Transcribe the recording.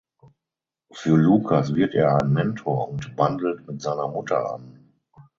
Für Lukas wird er ein Mentor und bandelt mit seiner Mutter an.